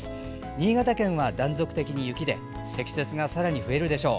新潟県は断続的に雪で積雪がさらに増えるでしょう。